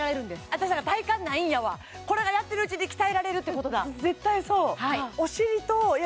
私だから体幹ないんやわこれがやってるうちに鍛えられるってことだ絶対そう！